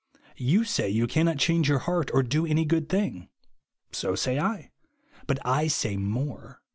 You say you cannot change your heart or do any good thing. So say I. But I say more.